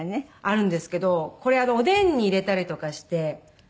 あるんですけどこれおでんに入れたりとかして。